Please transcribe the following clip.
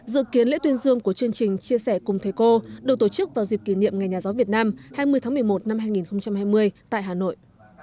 dự kiến lễ tuyên dương của chương trình chia sẻ cùng thầy cô được tổ chức vào dịp kỷ niệm ngày nhà giáo việt nam hai mươi tháng một mươi một năm hai nghìn hai mươi tại hà nội